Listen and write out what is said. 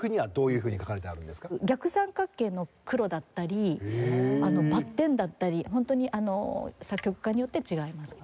逆三角形の黒だったりバッテンだったりホントに作曲家によって違いますね。